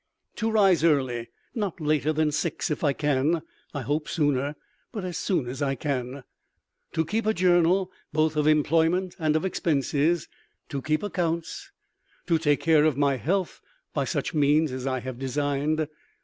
To rise early; not later than six, if I can; I hope sooner, but as soon as I can. To keep a journal, both of employment and of expenses. To keep accounts. To take care of my health by such means as I have designed.